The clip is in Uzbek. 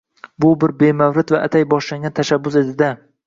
Bu bir bemavrid va atay boshlangan tashabbus edi-da.